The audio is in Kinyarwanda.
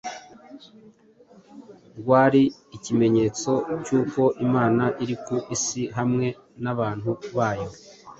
rwari ikimenyetso cy’uko Imana iri ku isi hamwe n’abantu bayo.